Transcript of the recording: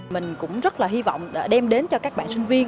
mình cũng rất là hy vọng đem đến cho các bạn sinh viên